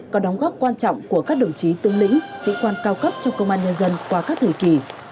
có đóng góp quan trọng của các đồng chí tướng lĩnh sĩ quan cao cấp trong công an nhân dân qua các thời kỳ